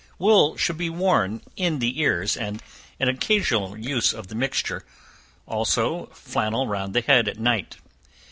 Wool should be worn in the ears, and an occasional use of the mixture; also flannel round the head at night.